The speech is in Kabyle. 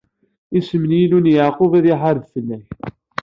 Isem n Yillu n Yeɛqub ad iḥareb fell-ak!